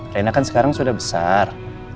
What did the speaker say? china kan sekarang sudah besar